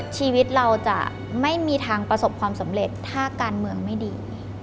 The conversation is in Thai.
ชีวิตเราจะไม่มีทางประสบความสำเร็จถ้าการเมืองไม่ดี